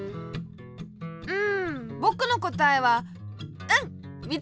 うんぼくのこたえはうんみつけた！